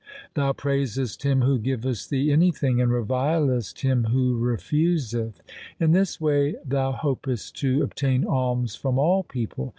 Thou praisest him who givest thee anything and revilest him who refuseth. In this way thou hopest to obtain alms from all people.